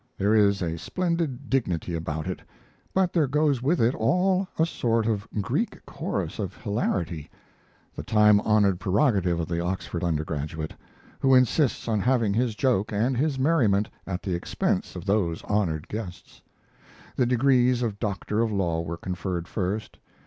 There is a splendid dignity about it; but there goes with it all a sort of Greek chorus of hilarity, the time honored prerogative of the Oxford undergraduate, who insists on having his joke and his merriment at the expense of those honored guests. The degrees of doctor of law were conferred first.